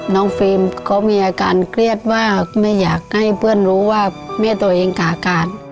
ฟิล์มเขามีอาการเครียดมากไม่อยากให้เพื่อนรู้ว่าแม่ตัวเองขาการ